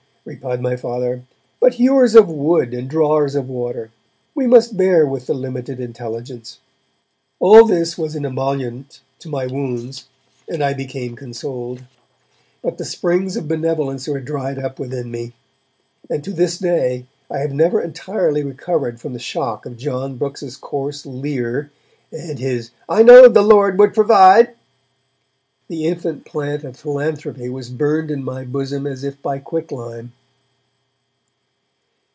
replied my Father, 'but hewers of wood and drawers of water! We must bear with the limited intelligence.' All this was an emollient to my wounds, and I became consoled. But the springs of benevolence were dried up within me, and to this day I have never entirely recovered from the shock of John Brooks's coarse leer and his 'I know'd the Lord would provide.' The infant plant of philanthropy was burned in my bosom as if by quick lime.